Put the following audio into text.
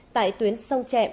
tại tuyến sông trẹm